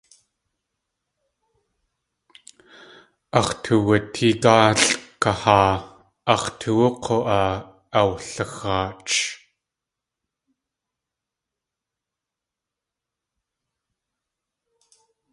Ax̲ tuwatee gáalʼ kahaa; ax̲ toowú k̲u.aa awlixaach.